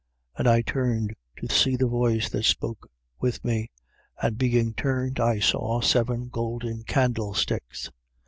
1:12. And I turned to see the voice that spoke with me. And being turned, I saw seven golden candlesticks: 1:13.